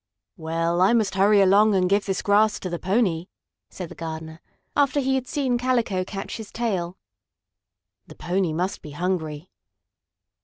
"Well, I must hurry along and give this grass to the pony," said the gardener, after he had seen Calico catch his tail. "The pony must be hungry."